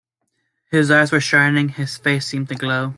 His eyes were shining; his face seemed to glow.